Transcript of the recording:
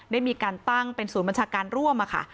ได้มีการตั้งเป็นศูนย์บัญชาการร่วมค่ะ